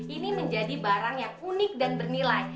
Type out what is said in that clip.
ini menjadi barang yang unik dan bernilai